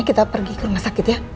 kita pergi ke rumah sakit ya